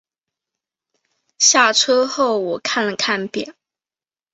下车后我看了看表